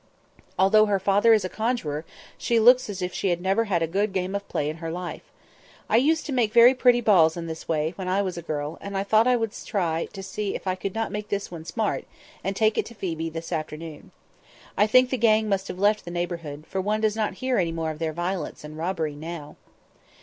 Although her father is a conjuror, she looks as if she had never had a good game of play in her life. I used to make very pretty balls in this way when I was a girl, and I thought I would try if I could not make this one smart and take it to Phoebe this afternoon. I think 'the gang' must have left the neighbourhood, for one does not hear any more of their violence and robbery now."